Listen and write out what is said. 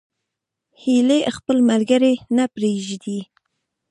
هیلۍ خپل ملګري نه پرېږدي